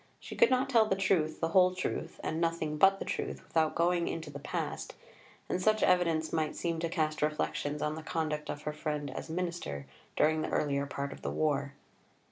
She could not tell the truth, the whole truth, and nothing but the truth without going into the past, and such evidence might seem to cast reflections on the conduct of her friend as Minister during the earlier part of the war.